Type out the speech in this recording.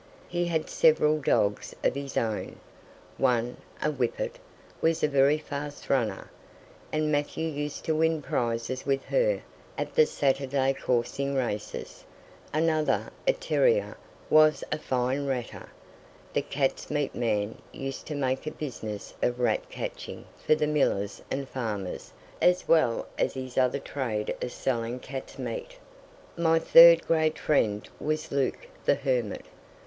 He had several dogs of his own; one, a whippet, was a very fast runner, and Matthew used to win prizes with her at the Saturday coursing races; another, a terrier, was a fine ratter. The cat's meat man used to make a business of rat catching for the millers and farmers as well as his other trade of selling cat's meat. My third great friend was Luke the Hermit.